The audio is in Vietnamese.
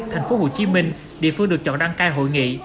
thành phố hồ chí minh địa phương được chọn đăng cai hội nghị